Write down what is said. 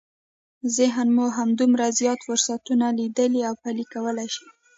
ذهن مو همدومره زیات فرصتونه ليدلی او پلي کولای شي.